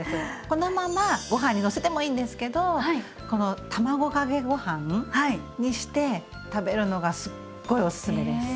このままご飯にのせてもいいんですけどこの卵かけご飯にして食べるのがすっごいおすすめです！